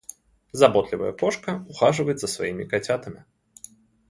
Заботливая кошка ухаживает за своими котятами.